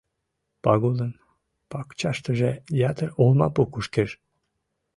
Пагулын пакчаштыже ятыр олмапу кушкеш.